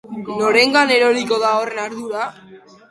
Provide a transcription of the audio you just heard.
Norengan eroriko da horren ardura?